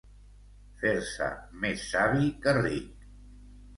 Fer-se més savi que ric.